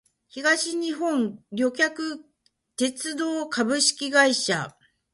東日本旅客鉄道株式会社